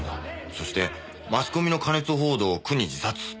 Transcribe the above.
そしてマスコミの過熱報道を苦に自殺。